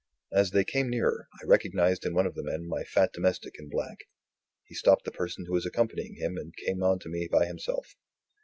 As they came nearer, I recognized in one of the men my fat domestic in black. He stopped the person who was accompanying him and came on to me by himself.